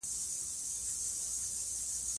د بېلتانه تبې نيولی ، دا چې ئې رپي د وجود ټول اندامونه